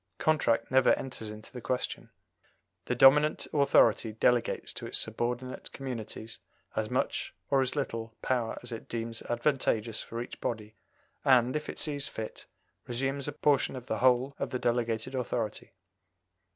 Contract never enters into the question. The dominant authority delegates to its subordinate communities as much or as little power as it deems advantageous for each body, and, if it sees fit, resumes a portion or the whole of the delegated authority.